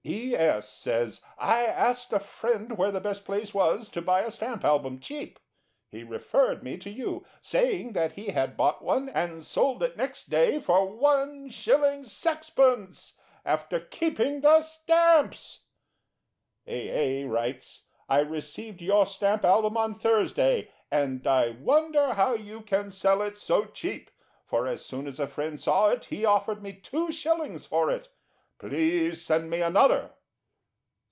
E. S. says: "I asked a friend where the best place was to buy a Stamp Album cheap. He referred me to you, saying that he had bought one and sold it next day for 1/6, after keeping the stamps." A. A. writes: "I received your Stamp Album on Thursday, and I wonder how you can sell it so cheap; for as soon as a friend saw it he offered me 2/ for it. Please send me another."